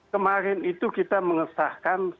kemarin itu kita mengesahkan sebuah rancangan